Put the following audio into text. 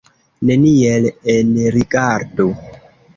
Neniel enrigardu!